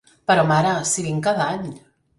Però mare, si vinc cada any!